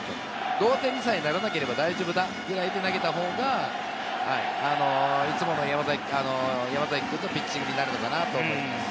同点にされなければ大丈夫だくらいで投げた方がいつもの山崎くんのピッチングになるのかなと思います。